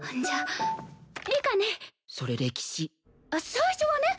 最初はね。